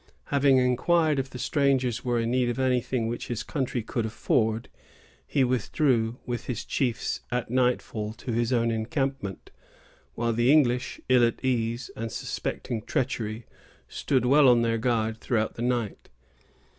Having inquired if the strangers were in need of any thing which his country could afford, he withdrew, with his chiefs, at nightfall, to his own encampment; while the English, ill at ease, and suspecting treachery, stood well on their guard throughout the night.